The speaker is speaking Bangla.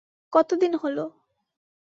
কত দিন হলো?